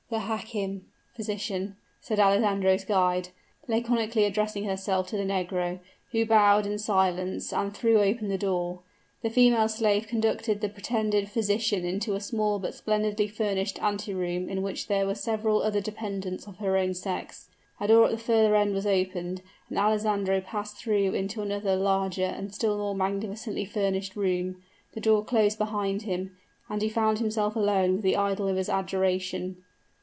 "The hakim" (physician), said Alessandro's guide, laconically addressing herself to the negro, who bowed in silence and threw open the door. The female slave conducted the pretended physician into a small but splendidly furnished ante room, in which there were several other dependents of her own sex. A door at the further end was opened, and Alessandro passed through into another, larger, and still more magnificently furnished room; the door closed behind him, and he found himself alone with the idol of his adoration.